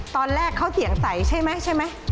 ตอนแรกเขาเสียงใสใช่ไหมใช่ไหม